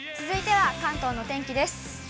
続いては関東のお天気です。